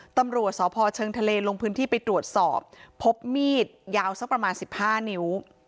ตำรวจสพเชิงทะเลลงพื้นที่ไปตรวจสอบพบมีดยาวสักประมาณ๑๕นิ้ว